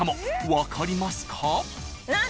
分かりますか？］何？